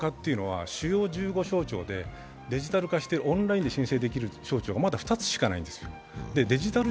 そのときのデジタル化というのは、主要１５省庁でデジタル化して、オンラインで申請できる省庁はまだ２つしかないんですよ。